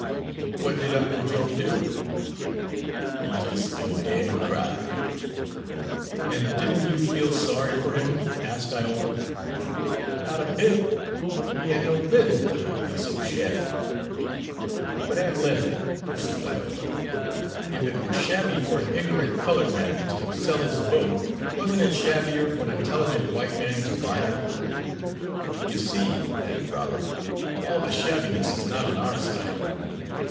"What did Uncle Job do?" "He jis' stood dere an' cried." "And didn't you feel sorry for him?" asked Iola. "Not a bit! he hedn't no business ter be so shabby." "But, Aunt Linda," pursued Iola, "if it were shabby for an ignorant colored man to sell his vote, wasn't it shabbier for an intelligent white man to buy it?" "You see," added Robert, "all the shabbiness is not on our side."